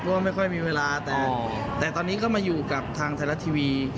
ก็ไม่ค่อยมีเวลาแต่ตอนนี้ก็มาอยู่กับทางไทยรัฐทีวี